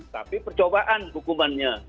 tapi percobaan hukumannya